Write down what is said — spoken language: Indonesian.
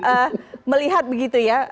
karena kita baru saja melihat begitu ya